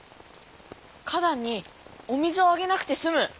花だんにお水をあげなくてすむ。